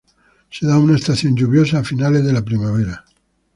Se da una estación lluviosa a finales de la primavera.